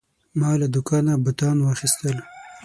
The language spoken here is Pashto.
ما له دوکانه بوتان واخیستل.